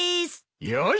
よし！